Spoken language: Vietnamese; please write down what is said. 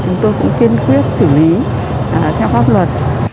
chúng tôi cũng kiên quyết xử lý theo pháp luật